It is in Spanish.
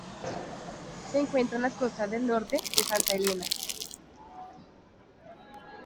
Se encuentra en las costas del norte de Santa Helena.